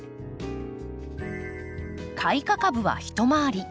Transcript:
開花株は一回り。